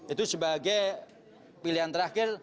itu sebagai pilihan terakhir